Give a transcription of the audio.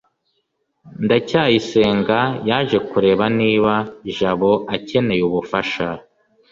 ndacyayisenga yaje kureba niba jabo akeneye ubufasha